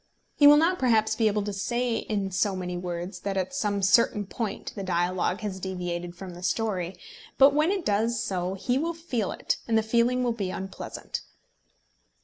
He will not perhaps be able to say in so many words that at some certain point the dialogue has deviated from the story; but when it does so he will feel it, and the feeling will be unpleasant.